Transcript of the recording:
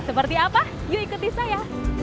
seperti apa yuk ikuti saya